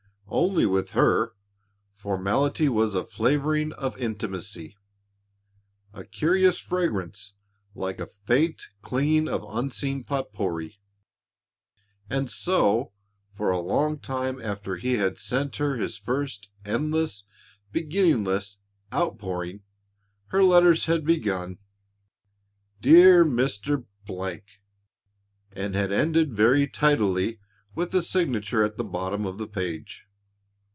Only with her, formality was a flavouring of intimacy, a curious fragrance like a faint clinging of unseen pot pourri. And so, for a long time after he had sent her his first endless, beginningless out pouring, her letters had begun, "Dear Mr. " and had ended very tidily, with a signature at the bottom of a page.